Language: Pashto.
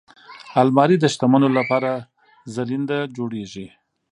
الماري د شتمنو لپاره زرینده جوړیږي